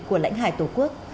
của lãnh hải tổ quốc